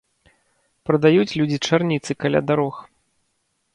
Прадаюць людзі чарніцы каля дарог.